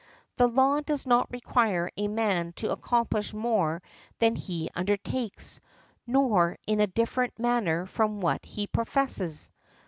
The law does not require a man to accomplish more than he undertakes, nor in a different manner from what he professes.